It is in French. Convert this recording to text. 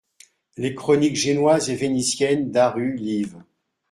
Les chroniques génoises et vénitiennes (Daru, liv.